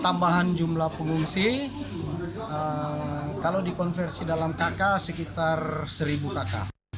tambahan jumlah pengungsi kalau dikonversi dalam kk sekitar seribu kakak